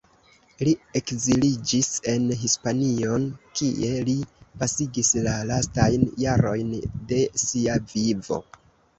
Li ekziliĝis en Hispanion, kie li pasigis la lastajn jarojn de sia vivo.